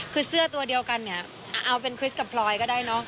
คือเสื้อตัวเดียวกันเนี่ยเอาเป็นคริสกับพลอยก็ได้เนอะ